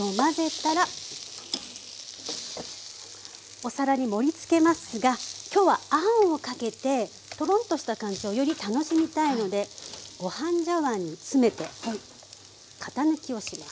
お皿に盛りつけますが今日はあんをかけてトロンとした感じをより楽しみたいのでご飯茶碗に詰めて型抜きをします。